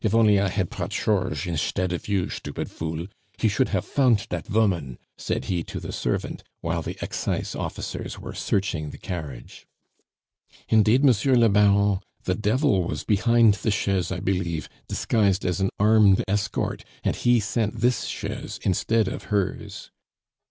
"If only I had prought Chorge inshtead of you, shtupid fool, he should have fount dat voman," said he to the servant, while the excise officers were searching the carriage. "Indeed, Monsieur le Baron, the devil was behind the chaise, I believe, disguised as an armed escort, and he sent this chaise instead of hers."